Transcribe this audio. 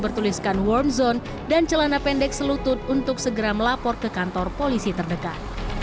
bertuliskan warm zone dan celana pendek selutut untuk segera melapor ke kantor polisi terdekat